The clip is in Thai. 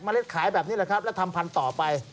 เมล็ดขายผันไป